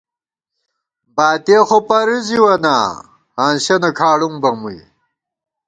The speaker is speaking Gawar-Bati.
باتِیَہ خو پروزِوَہ نا ، ہانسِیَنہ کھاڑُم بہ مُوئی